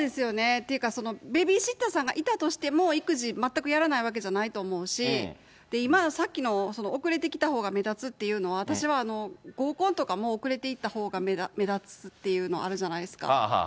っていうか、ベビーシッターさんがいたとしても育児全くやらないわけじゃないだろうし、今、さっきの遅れてきたほうが目立つっていうのは、私は合コンとかも遅れて行ったほうが目立つっていうの、あるじゃないですか。